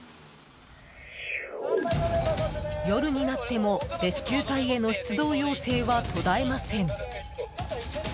夜になっても、レスキュー隊への出動要請は途絶えません。